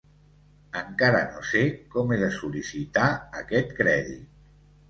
Encara no sé com he de sol·licitar aquest crèdit.